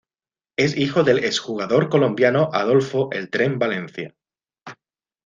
Es hijo del exjugador colombiano Adolfo "El Tren" Valencia.